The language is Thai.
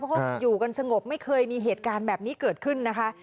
เพราะอยู่กันสงบไม่เคยมีเหตุการณ์แบบนี้เกิดขึ้นนะคะ